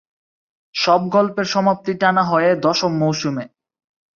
সব গল্পের সমাপ্তি টানা হয়ে দশম মৌসুমে।